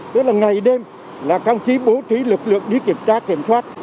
tức là ngày đêm là các ông chí bố trí lực lượng đi kiểm tra kiểm soát